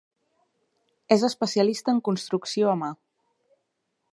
És especialista en construcció a mà.